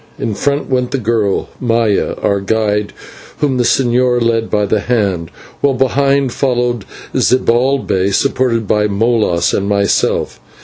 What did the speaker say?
In front went the girl, Maya, our guide, whom the señor led by the hand, while behind followed Zibalbay supported by Molas and myself.